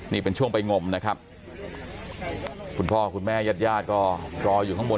นี่เป็นช่วงไปงมนะครับคุณพ่อคุณแม่ญาติญาติก็รออยู่ข้างบน